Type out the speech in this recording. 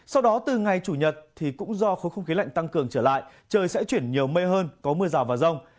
sau đó từ ngày chủ nhật thì cũng do khối không khí lạnh tăng cường trở lại trời sẽ chuyển nhiều mây hơn có mưa rào và rông